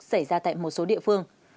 xảy ra tại một số địa phương